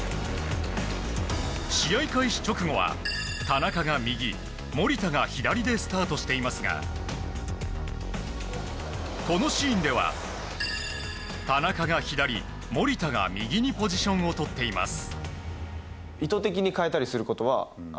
試合開始直後は田中が右守田が左でスタートしていますがこのシーンでは田中が左守田が右にポジションをとっています。